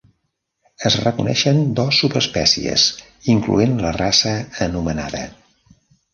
Es reconeixen dos subespècies, incloent la raça anomenada.